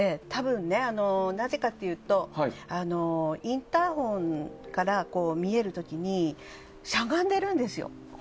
なぜかというとインターホンから見える時にしゃがんでるんですよ。